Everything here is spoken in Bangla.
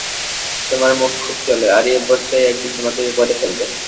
তোমার মুখ খুব চলে, আর এই অভ্যাসটাই একদিন তোমাকে বিপদে ফেলে দেবে।